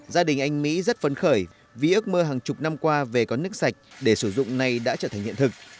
gia đình anh mỹ rất phấn khởi vì ước mơ hàng chục năm qua về con nước sạch để sử dụng nay đã trở thành hiện thực